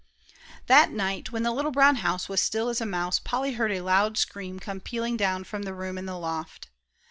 That night, when the little brown house was as still as a mouse, Polly heard a loud scream come pealing down from the room in the loft.